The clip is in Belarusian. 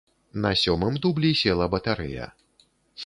На сёмым дублі села батарэя.